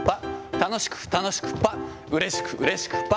楽しく楽しくぱ、うれしく、うれしく、ぱ。